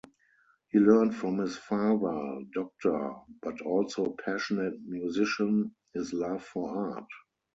He learnt from his father, doctor but also passionate musician, his love for art.